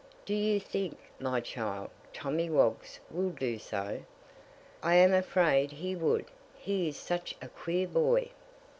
"Do you think, my child, Tommy Woggs will do so?" "I am afraid he would; he is such a queer boy."